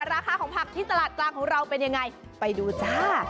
ราคาของผักที่ตลาดกลางของเราเป็นยังไงไปดูจ้า